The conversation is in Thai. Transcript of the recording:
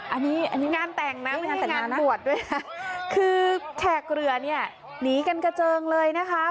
อันนี้งานแต่งนะไม่ใช่งานบวชด้วยค่ะคือแขกเรือนี่หนีกันกระเจิงเลยนะคะ